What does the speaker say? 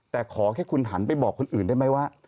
แต่ขอแค่คุณหันไปบอกคนอื่นได้ไหมว่า